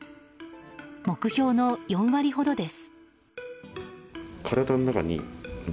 目標の４割ほどです。